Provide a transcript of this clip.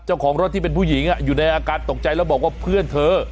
เจ้าของรถที่เป็นผู้หญิงอยู่ในอาการตกใจแล้วบอกว่าเพื่อนเธอ